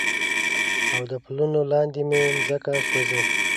او د پلونو لاندې مې مځکه سوزي